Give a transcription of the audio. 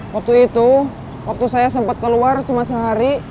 waktu itu waktu saya sempat keluar cuma sehari